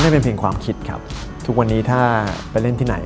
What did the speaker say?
เป็นเพียงความคิดครับทุกวันนี้ถ้าไปเล่นที่ไหน